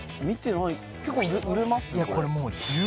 結構売れます？